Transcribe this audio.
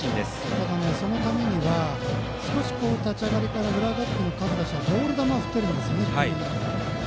ただ、そのためには少し立ち上がりから浦和学院の各打者がボール球を振ってるんですよね低めの。